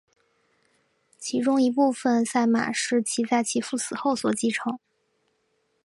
其中一部分赛马是其在其父死后所继承。